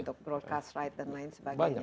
untuk broadcast right dan lain sebagainya